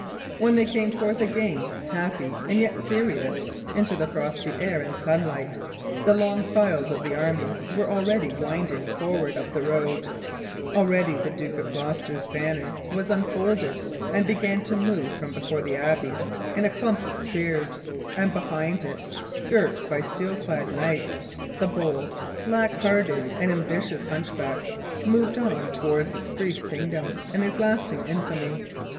When they came forth again, happy and yet serious, into the frosty air and sunlight, the long files of the army were already winding forward up the road; already the Duke of Gloucester's banner was unfolded and began to move from before the abbey in a clump of spears; and behind it, girt by steel clad knights, the bold, black hearted, and ambitious hunchback moved on towards his brief kingdom and his lasting infamy.